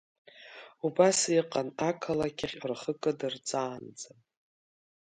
Убас иҟан ақалакьахь рхы кыдырҵаанӡа.